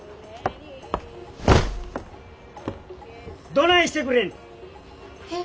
どないしてくれんねん。